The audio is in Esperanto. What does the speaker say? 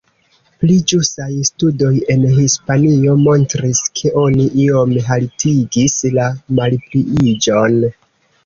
Pli ĵusaj studoj en Hispanio montris, ke oni iom haltigis la malpliiĝon.